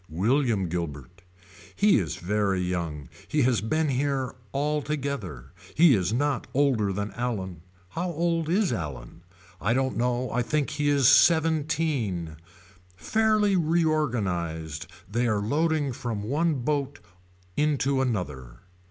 William Guilbert. He is very young. He has been here altogether. He is not older than Allan. How old is Allan. I do not know I think he is seventeen. Fairly reorganized they are loading from one boat into another.